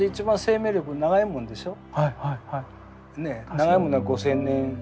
長いものは５，０００年。